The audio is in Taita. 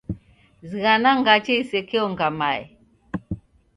Zighana ngache isekeonga mae.